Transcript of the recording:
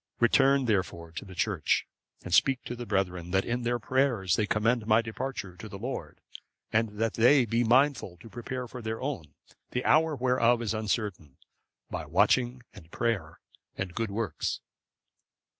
Return, therefore, to the church, and speak to the brethren, that in their prayers they commend my departure to the Lord, and that they be mindful to prepare for their own, the hour whereof is uncertain, by watching, and prayer, and good works."